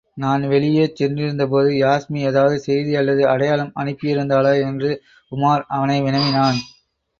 நான் வெளியேறிச் சென்றிருந்தபோது, யாஸ்மி எதாவது செய்தி அல்லது அடையாளம் அனுப்பியிருந்தாளா? என்று உமார் அவனை வினவினான்.